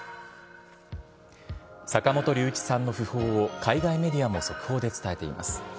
坂本龍一さんの訃報を、海外メディアも速報で伝えています。